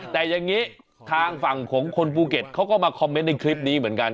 แต่อย่างนี้ทางฝั่งของคนภูเก็ตเขาก็มาคอมเมนต์ในคลิปนี้เหมือนกัน